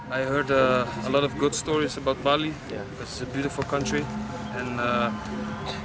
saya juga mendengar cerita baik tentang bali karena ini adalah negara yang indah